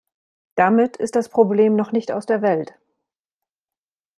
Damit ist das Problem noch nicht aus der Welt.